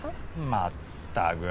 まったく。